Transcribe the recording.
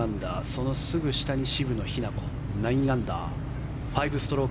そのすぐ下に渋野日向子９アンダー。